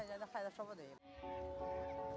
hơn ba thập kỷ